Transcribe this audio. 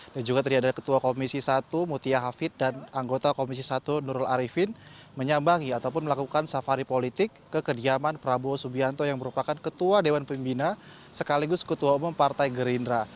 dan juga terdiri dari ketua komisi satu mutia hafid dan anggota komisi satu nurul arifin menyambangi ataupun melakukan safari politik ke kediaman prabowo subianto yang merupakan ketua dewan pembina sekaligus ketua umum partai gerindra